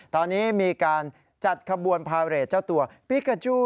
ตอนนี้มีการจัดขบวนพาเรทเจ้าตัวปิกาจู้